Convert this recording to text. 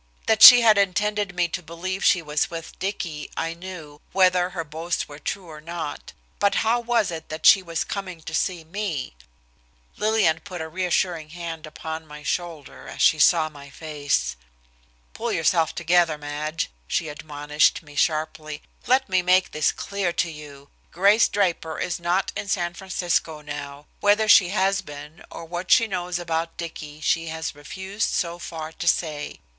That she had intended me to believe she was with Dicky, I knew, whether her boast were true or not. But how was it that she was coming to see me? Lillian put a reassuring hand upon my shoulder as she saw my face. "Pull yourself together, Madge," she admonished me sharply. "Let me make this clear to you. Grace Draper is not in San Francisco now. Whether she has been, or what she knows about Dicky she has refused so far to say.